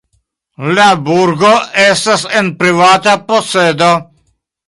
La burgo estas en privata posedo.